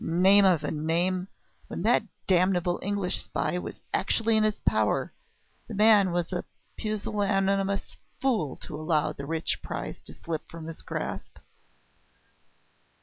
Name of a name! when that damnable English spy was actually in his power, the man was a pusillanimous fool to allow the rich prize to slip from his grasp!